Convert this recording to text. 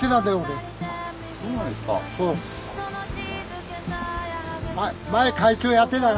そうなんですか。